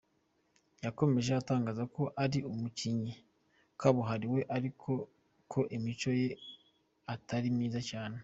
Yakomeje atangaza ko ari umukinnyi kabuhariwe ariko ko imico ye atari myiza cyane.